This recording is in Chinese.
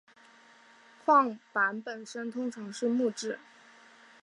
晃板本身通常是木制。